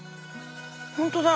本当だ。